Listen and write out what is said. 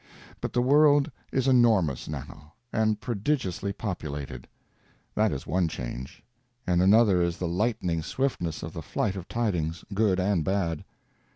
But the world is enormous now, and prodigiously populated—that is one change; and another is the lightning swiftness of the flight of tidings, good and bad.